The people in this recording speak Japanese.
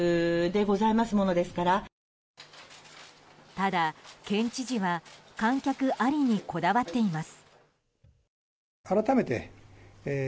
ただ、県知事は観客ありにこだわっています。